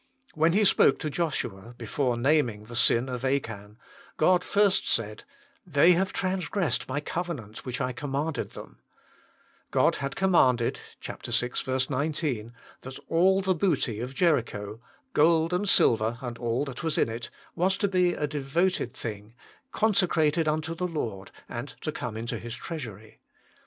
When He spoke to Joshua, before naming the sin of Achan, God first said, " They have transgressed My covenant which I commanded them." God had commanded (vL 19) that all the booty of Jericho, gold and silver and all that was in it, was to be a 72 THE MINISTRY OF INTERCESSION devoted thing, consecrated unto the Lord, and to come into His treasury.